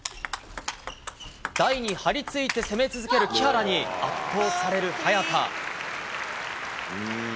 台に張り付いて攻め続ける木原に圧倒される早田。